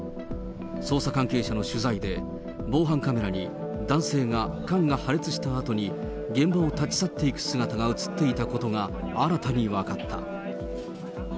捜査関係者の取材で、防犯カメラの男性が缶が破裂したあとに現場を立ち去っていく姿が写っていたことが新たに分かった。